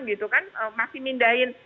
gitu kan masih mindahin